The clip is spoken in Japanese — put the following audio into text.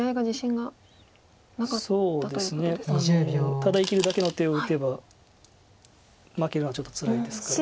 ただ生きるだけの手を打てば負けるのはちょっとつらいですから。